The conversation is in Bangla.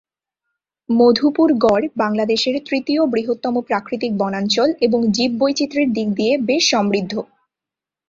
মধুপুর গড় বাংলাদেশের তৃতীয় বৃহত্তম প্রাকৃতিক বনাঞ্চল এবং জীব বৈচিত্রের দিক দিয়ে বেশ সমৃদ্ধ।